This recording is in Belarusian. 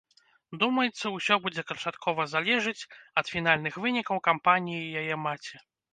Думаецца, усё будзе канчаткова залежыць ад фінальных вынікаў кампаніі яе маці.